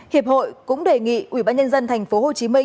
hiệp hội cũng đề nghị ubnd tp hcm